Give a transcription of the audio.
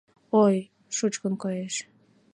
Ой, шучкын коеш...